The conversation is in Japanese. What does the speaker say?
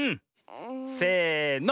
せの。